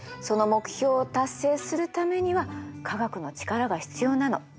その目標を達成するためには科学の力が必要なの。